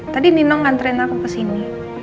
tadi nino ngantren aku ke sini